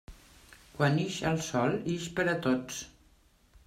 Quan ix el sol, ix per a tots.